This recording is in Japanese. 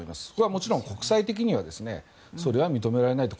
もちろん国際的にはそれは認められないと。